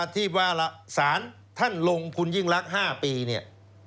ที่สารท่านลงคุณยิ่งรัก๕ปี